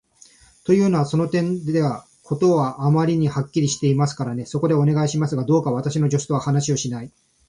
というのは、その点では事はあまりにはっきりしていますからね。そこで、お願いしますが、どうか私の助手とは話をしないで下さい。